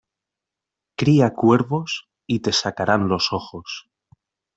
Cría cuervos y te sacaran los ojos.